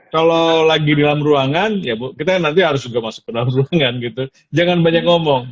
kalau lagi di dalam ruangan ya bu kita nanti harus juga masuk ke dalam ruangan gitu jangan banyak ngomong